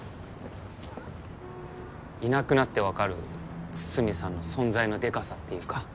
いなくなって分かる筒見さんの存在のデカさっていうか。